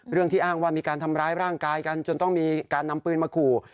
เรื่องที่อ้างว่ามีการทำร้ายร่างกายกันจนต้องมีการนำปืนมาขู่